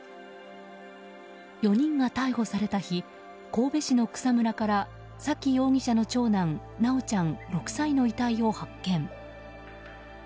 ４人が逮捕された日神戸市の草むらから沙喜容疑者の長男修ちゃん、６歳の遺体を発見。